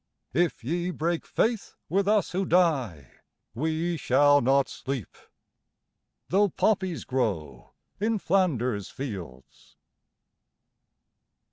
If ye break faith with us who die We shall not sleep, though poppies grow In Flanders fields.